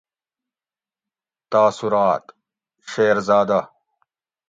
تاثرات: : شیرزادہ